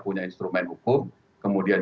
punya instrumen hukum kemudian